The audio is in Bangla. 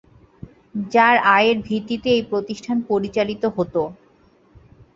যার আয়ের ভিত্তিতে এই প্রতিষ্ঠান পরিচালিত হত।